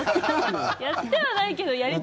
やってはないけど。